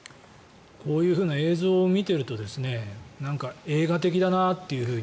こういう映像を見ていると映画的だなというふうに。